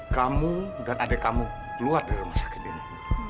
kamu dan adik kamu keluar dari rumah sakit ini